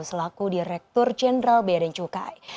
selaku direktur jenderal bea dan cukai